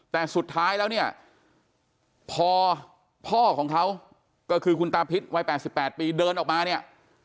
แต่สุดท้ายแล้วเนี่ยพอพ่อของเขาก็คือคุณตาพิษวัย๘๘ปีเดินออกมาเนี่ย